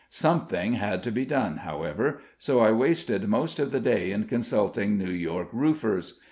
Something had to be done, however, so I wasted most of the day in consulting New York roofers.